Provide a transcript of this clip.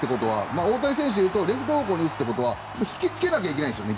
大谷選手でいうとレフト方向に打つってことは引き付けないといけないんですよ